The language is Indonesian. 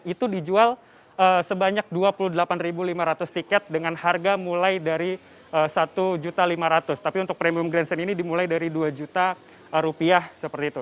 itu dijual sebanyak dua puluh delapan lima ratus tiket dengan harga mulai dari rp satu lima ratus tapi untuk premium grandson ini dimulai dari dua juta rupiah seperti itu